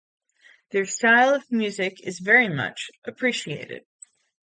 Their style of music is very much appreciated.